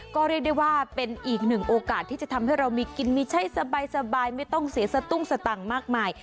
ก็เรียกได้ว่าเป็นอีกหนึ่งโอกาสที่จะทำให้เรามีกินมีใช้สบายไม่ต้องเสียสตุ้งสตังค์มากมาย